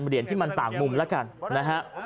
เหรียญที่มันต่างมุมแล้วกันนะฮะ